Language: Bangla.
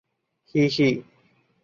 হিহি।